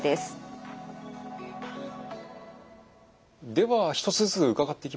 では一つずつ伺っていきましょう。